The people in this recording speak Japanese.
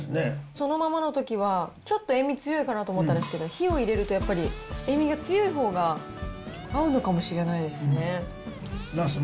そのままのときはちょっと塩味強いかなと思ったんですけど、火を入れるとやっぱり、塩味が強いほうが合うのかもしれないですね。